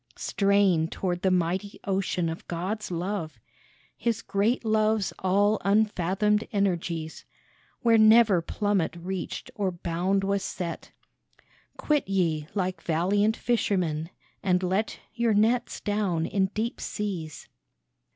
" Strain toward the mighty ocean of God's love, His great Love's all unfathomed energies, Where never plummet reached or bound was set. Quit ye like valiant fishermen, and let Your nets down in deep seas.